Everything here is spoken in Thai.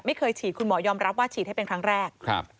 ไม่เคยฉีดคุณหมอยอมรับว่าฉีดให้เป็นครั้งแรก